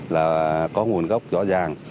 là có nguồn gốc rõ ràng